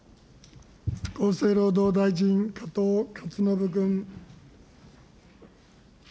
厚生労働大臣、加藤勝信君。